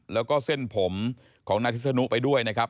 แล้วก็เส้นผมของนายทิศนุไปด้วยนะครับ